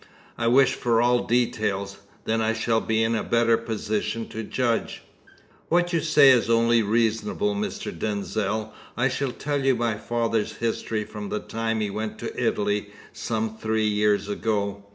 "I wish for all details, then I shall be in a better position to judge." "What you say is only reasonable, Mr. Denzil. I shall tell you my father's history from the time he went to Italy some three years ago.